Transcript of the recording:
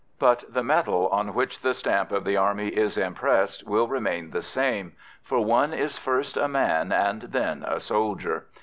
But the metal on which the stamp of the Army is impressed will remain the same, for one is first a man and then a soldier.